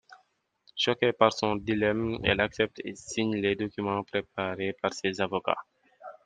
Choquée par son dilemme, elle accepte et signe les documents préparés par ses avocats.